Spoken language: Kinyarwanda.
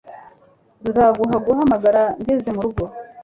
Nzaguha guhamagara ngeze murugo